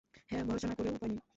হ্যাঁ, ভরসা না করেও উপায় নেই!